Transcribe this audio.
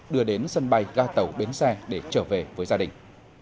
đưa đến sân bay ga tàu bến xe để trở về với gia đình